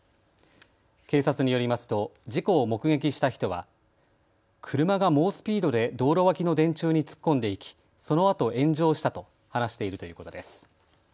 警察によりますと事故を目撃した人は車が猛スピードで道路脇の電柱に突っ込んでいきそのあと炎上したと話しているということです。